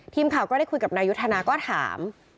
ทีมข่าวก็ได้คุยกับนายุทธนาก็ถาม